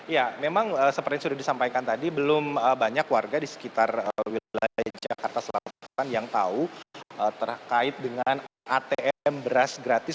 ya memang seperti sudah disampaikan tadi belum banyak warga di sekitar wilayah jakarta selatan yang tahu terkait dengan atm beras gratis